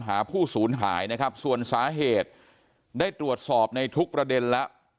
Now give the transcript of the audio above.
ผู้ศูนย์หายนะครับส่วนสาเหตุได้ตรวจสอบในทุกประเด็นแล้ว